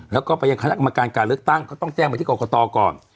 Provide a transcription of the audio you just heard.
แล้วก็ไปยังคณะกรรมการการเลือกตั้งก็ต้องแจ้งไปที่กรกตก่อน